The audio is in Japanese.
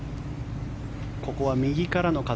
ここは右からの風。